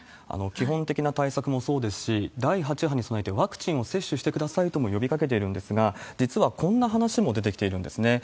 基本的な対策もそうですし、第８波に備えてワクチン接種してくださいとも呼びかけてるんですが、実はこんな話も出てきているんですね。